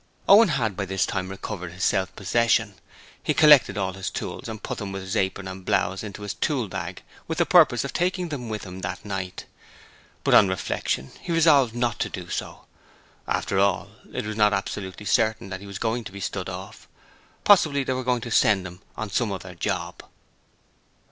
Owen had by this time recovered his self possession. He collected all his tools and put them with his apron and blouse into his tool bag with the purpose of taking them with him that night, but on reflection he resolved not to do so. After all, it was not absolutely certain that he was going to be 'stood off': possibly they were going to send him on some other job.